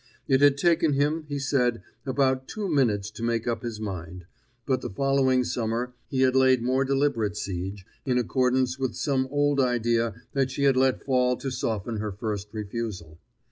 It had taken him, he said, about two minutes to make up his mind; but the following summer he had laid more deliberate siege, in accordance with some old idea that she had let fall to soften her first refusal.